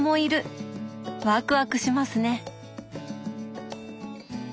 ワクワクしますね。